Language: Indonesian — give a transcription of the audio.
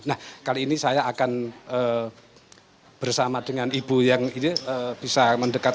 nah kali ini saya akan bersama dengan ibu yang ini bisa mendekat